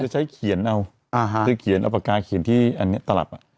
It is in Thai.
ต้องใช้เขียนเอาปากการเขียนที่อันนี้ตลับ